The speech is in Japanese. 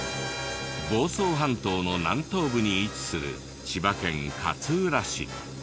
房総半島の南東部に位置する千葉県勝浦市。